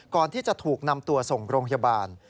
ก่อนที่จะถูกนำตัวส่งโรงพยาบาล